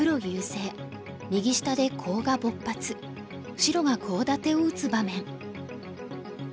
白がコウ立てを打つ場面。